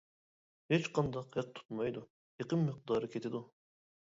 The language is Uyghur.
ھېچقانداق ھەق تۇتمايدۇ، ئېقىم مىقدارى كېتىدۇ.